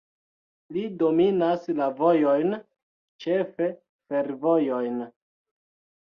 Li dominas la vojojn, ĉefe fervojojn.